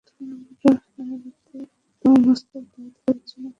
তুমি আমার তরবারিতে তোমার মস্তক দেহ থেকে বিচ্ছিন্ন করতে চাও?